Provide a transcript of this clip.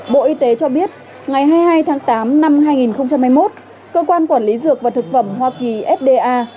bộ y tế cho biết ngày hai mươi hai tháng tám năm hai nghìn hai mươi một cơ quan quản lý dược và thực phẩm hoa kỳ fda